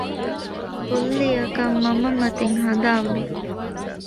ކުއްލިއަކަށް މަންމަ މަތިން ހަނދާންވި